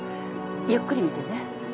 ゆっくり見てね。